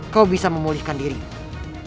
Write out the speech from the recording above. kau bisa memulihkan dirimu